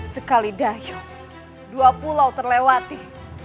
sekali dahsyu dua pulau terlewati